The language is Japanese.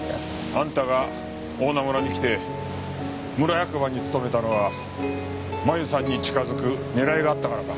あんたが大菜村に来て村役場に勤めたのは麻由さんに近づく狙いがあったからか。